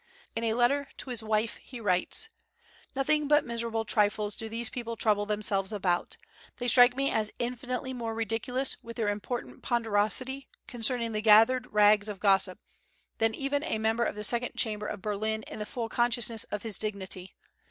In a letter to his wife, he writes: "Nothing but miserable trifles do these people trouble themselves about. They strike me as infinitely more ridiculous with their important ponderosity concerning the gathered rags of gossip, than even a member of the Second Chamber of Berlin in the full consciousness of his dignity....